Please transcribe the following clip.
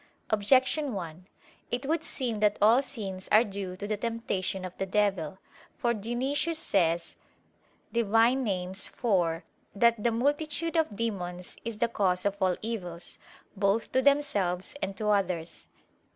Objection 1: It would seem that all sins are due to the temptation of the devil. For Dionysius says (Div. Nom. iv) that "the multitude of demons is the cause of all evils, both to themselves and to others."